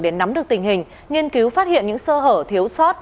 để nắm được tình hình nghiên cứu phát hiện những sơ hở thiếu sót